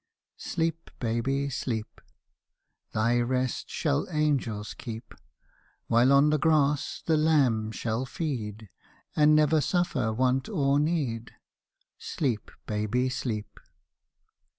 'Sleep, baby, sleep! Thy rest shall angels keep; While on the grass the lamb shall feed, And never suffer want or need. Sleep, baby, sleep.